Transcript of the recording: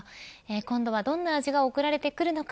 今度はどんな味が送られてくるのか。